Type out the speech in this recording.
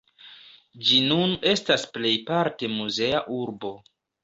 Ĝi nun estas plejparte muzea urbo.